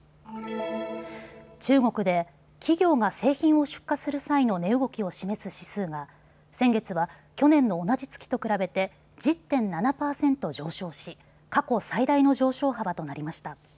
中国で企業が製品を出荷する際の値動きを示す指数が先月は去年の同じ月と比べて１０．７％上昇し、過去最大の上昇幅となりました。